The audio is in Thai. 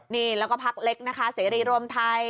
นี่แล้วก็พักเล็กนะคะเสรีรวมไทย